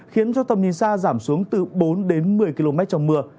khiến cho tầm nhìn xa giảm xuống từ bốn đến một mươi km trong mưa